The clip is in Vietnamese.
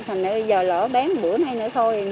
thành ra giờ lỡ bán bữa nay nữa thôi